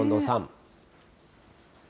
近藤さん。